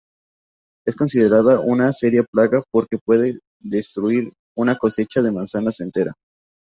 Es considerada una seria plaga porque puede destruir una cosecha de manzanas entera.